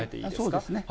そうですね。